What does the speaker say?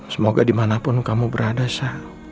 semoga dimanapun kamu berada sa